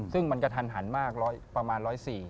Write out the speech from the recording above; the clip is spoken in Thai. ซึ่งมันก็ทันมากประมาณ๑๐๔